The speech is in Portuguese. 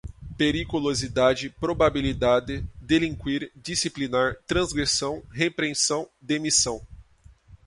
periculosidade, probabilidade, delinquir, disciplinar, transgressão, repreensão, demissão